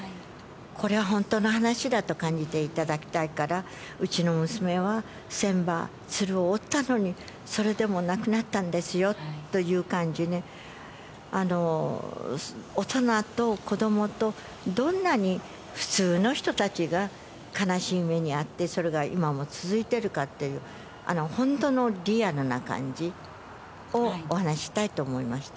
これは本当の話だと感じていただきたいから、うちの娘は千羽鶴を折ったのに、それでも亡くなったんですよという感じに、子どもとどんなに普通の人たちが悲しみにあって、それが今も続いているかっていう、本当のリアルな感じをお話したいと思いまし